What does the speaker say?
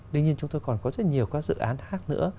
tuy nhiên chúng tôi còn có rất nhiều các dự án khác nữa